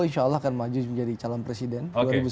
insya allah akan maju menjadi calon presiden